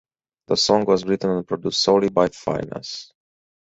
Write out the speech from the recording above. The song was written and produced solely by Finneas.